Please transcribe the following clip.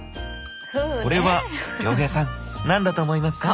これは亮平さん何だと思いますか？